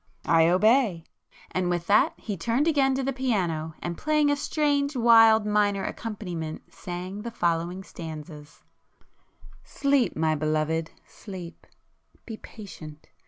"I obey!" and with that he turned again to the piano, and playing a strange wild minor accompaniment sang the following stanzas: Sleep, my Belovëd, sleep! Be patient!